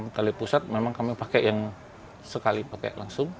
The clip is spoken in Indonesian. untuk klem tali pusat memang kami pakai yang sekali pakai langsung